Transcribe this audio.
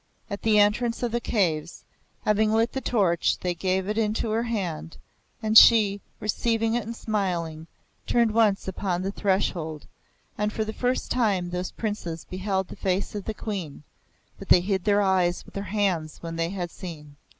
At the entrance of the caves, having lit the torch, he gave it into her hand, and she, receiving it and smiling, turned once upon the threshold, and for the first time those Princes beheld the face of the Queen, but they hid their eyes with their hands when they had seen.